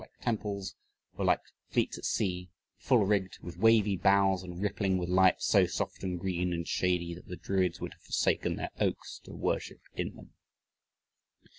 like temples, or like fleets at sea, full rigged, with wavy boughs and rippling with light so soft and green and shady that the Druids would have forsaken their oaks to worship in them."